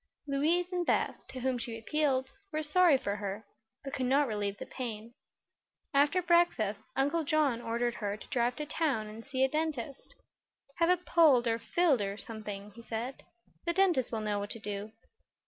Louise and Beth, to whom she appealed, were sorry for her, but could not relieve the pain. After breakfast Uncle John ordered her to drive to town and see a dentist. "Have it pulled, or filled, or something," he said. "The dentist will know what to do."